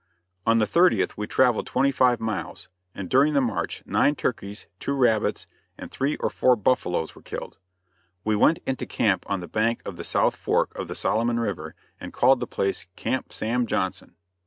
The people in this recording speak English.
On the 30th we traveled twenty five miles, and during the march nine turkeys, two rabbits, and three or four buffaloes were killed. We went into camp on the bank of the South Fork of the Solomon River and called the place Camp Sam Johnson.